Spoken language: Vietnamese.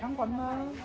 không còn mơ